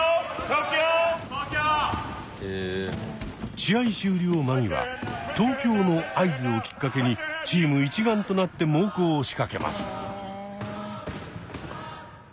試合終了間際「東京」の合図をきっかけにチーム一丸となって猛攻を仕掛けます。